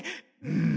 うん。